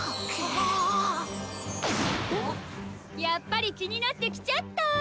やっぱり気になって来ちゃった。